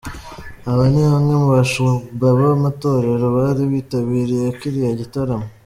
Aba ni bamwe mu bashumba b’amatorero bari bitabiriye kirirya gitaramo.